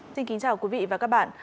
xin kính chào quý vị và các bạn